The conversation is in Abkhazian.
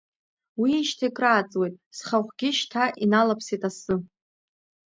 Уиижьҭеи крааҵуеит, схахәгьы шьҭа иналаԥсеит асы.